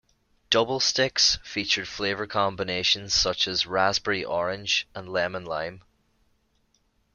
"Double stix" featured flavor combinations such as raspberry-orange and lemon-lime.